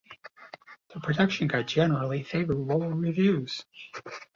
The production got generally favorable reviews.